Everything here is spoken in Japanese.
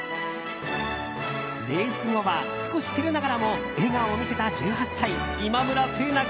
レース後は少し照れながらも笑顔を見せた１８歳今村聖奈